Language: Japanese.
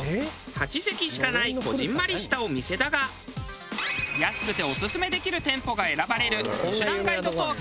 ８席しかないこぢんまりしたお店だが安くてオススメできる店舗が選ばれる『ミシュランガイド東京』